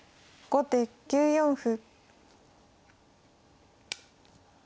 後手１四歩。